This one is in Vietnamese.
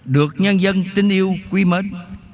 được nhân dân tình yêu quý mến